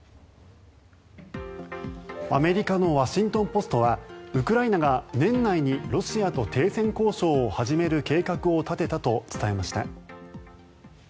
アメリカのワシントン・ポストはウクライナが年内にロシアと停戦交渉を始める計画を立てたと伝えました。